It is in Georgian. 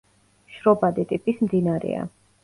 შრობადი ტიპის მდინარეა.